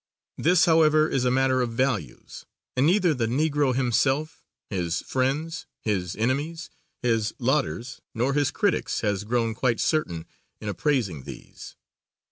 This, however, is a matter of values and neither the negro himself, his friends, his enemies, his lauders, nor his critics has grown quite certain in appraising these.